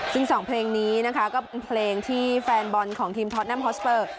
ซึ่งสองเพลงนี้นะคะก็เป็นเพลงที่แฟนบอลของทีมทอดแมมฮอสเปอร์